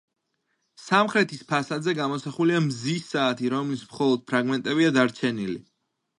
სამხრეთის ფასადზე გამოსახულია მზის საათი, რომლის მხოლოდ ფრაგმენტებია დარჩენილი.